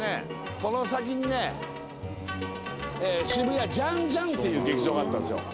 この先にね渋谷ジァン・ジァンっていう劇場があったんですよ。